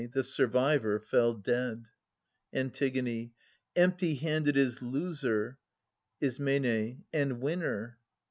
The survivor fell dead. A. Empty handed is loser — I. And winner